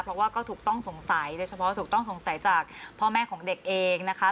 เพราะว่าก็ถูกต้องสงสัยโดยเฉพาะถูกต้องสงสัยจากพ่อแม่ของเด็กเองนะคะ